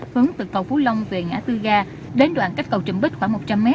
hướng từ cầu phú long về ngã tư ga đến đoạn cách cầu trùm bích khoảng một trăm linh m